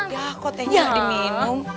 ya kok tehnya ada minum